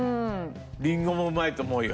りんごもうまいと思うよ。